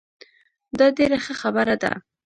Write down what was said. دا ډیره ښه خبره ده